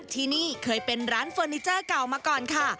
ที่นี่เคยเป็นร้านเฟอร์นิเจอร์เก่ามาก่อนค่ะ